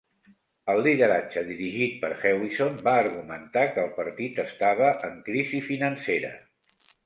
El lideratge dirigit per Hewison va argumentar que el partit estava en crisi financera.